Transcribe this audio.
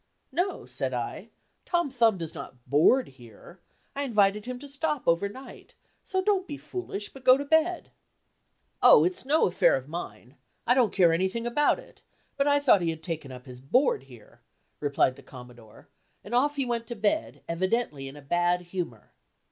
"No," said I, "Tom Thumb does not board here. I invited him to stop over night, so don't be foolish, but go to bed." "Oh, it's no affair of mine. I don't care anything about it; but I thought he had taken up his board here," replied the Commodore, and off he went to bed, evidently in a bad humor.